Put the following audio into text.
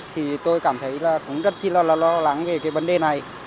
thì tôi cảm thấy là cũng rất là lo lắng về cái vấn đề này